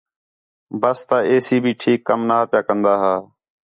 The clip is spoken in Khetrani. بس تا اے سی بھی ٹھیک کم نہیاں پیا کندا ہا